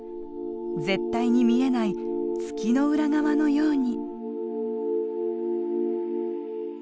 絶対に見えない月の裏側のように。